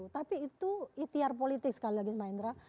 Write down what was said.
tapi itu itiar politik sekali lagi mbak indra